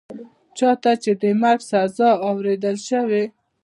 چا ته چي د مرګ سزا اورول شوې